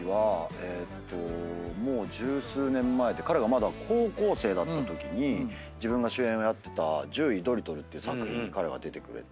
えーっともう十数年前で彼がまだ高校生だったときに自分が主演をやってた『獣医ドリトル』っていう作品に彼が出てくれて。